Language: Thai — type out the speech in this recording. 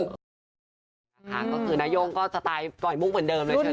ก็คือนาย่งก็สไตล์ปล่อยมุกเหมือนเดิมเลยใช่ไหม